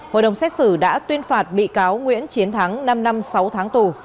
hội đồng xét xử đã tuyên phạt bị cáo nguyễn chiến thắng năm năm sáu tháng tù